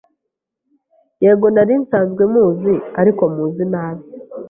Yego nari nsanzwe muzi, ariko muzi nabi.